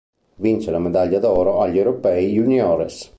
Vince la Medaglia d’Oro agli Europei Juniores.